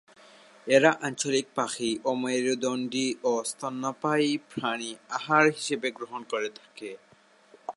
এরা আঞ্চলিক পাখি, অমেরুদণ্ডী ও স্তন্যপায়ী প্রাণী আহার হিসেবে গ্রহণ করে থাকে।